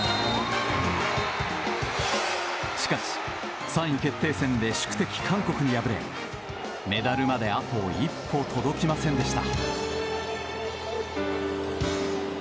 しかし、３位決定戦で宿敵・韓国に敗れメダルまであと一歩届きませんでした。